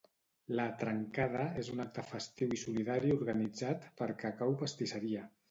La "trencada" és un acte festiu i solidari organitzat per Cacau Pastisseria.